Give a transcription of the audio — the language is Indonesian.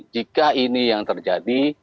jika ini yang terjadi